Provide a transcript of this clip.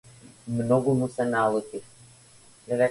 Многу му се налутив.